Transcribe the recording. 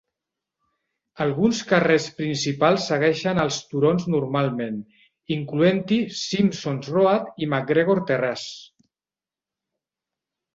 Alguns carrers principals segueixen els turons normalment, incloent-hi Simpsons Road i Macgregor Terrace.